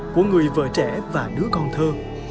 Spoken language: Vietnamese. của người vợ trẻ và đứa con thơ